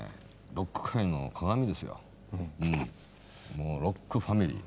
もうロックファミリー。